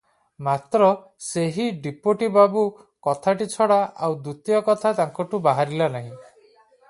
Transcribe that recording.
ମାତ୍ର ସେହି ଡିପୋଟି ବାବୁ କଥାଟି ଛଡ଼ା ଆଉ ଦ୍ୱିତୀୟ କଥା ତାଙ୍କଠୁ ବାହାରିଲା ନାହିଁ ।